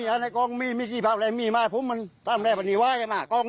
มันต้องเป็นเก่งสูตรกลักษณ์หนึ่ง